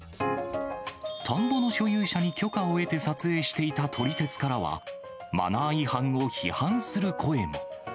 田んぼの所有者に許可を得て、撮影していた撮り鉄からは、マナー違反を批判する声も。